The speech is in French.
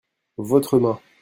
votre main.